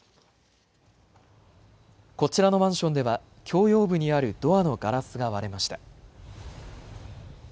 こちらのマンションでは共用部にあるドアのガラスが割れました。